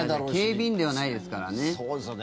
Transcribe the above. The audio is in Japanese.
警備員ではないですからね。